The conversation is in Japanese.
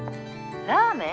ラーメン？